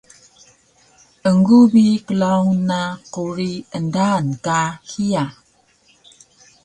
Egu bi klaun na quri endaan ka hiya